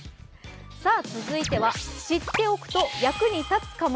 続いては知っておくと役に立つかも？